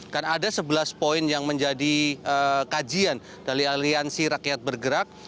kan ada sebelas poin yang menjadi kajian dari aliansi rakyat bergerak